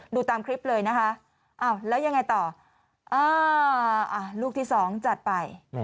ดูตามคลิปเลยนะคะแล้วยังไงต่อลูกที่๒จัดไป